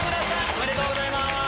おめでとうございます！